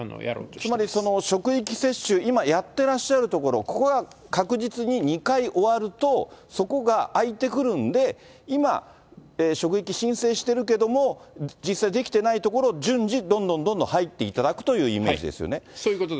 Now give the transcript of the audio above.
つまり職域接種、今やってらっしゃるところ、ここが確実に２回終わると、そこが空いてくるんで、今、職域申請してるけども、実際できていないところ、順次どんどんどん入っていただくというイメージですよね。